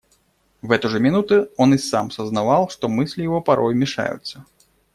В эту же минуту он и сам сознавал, что мысли его порою мешаются.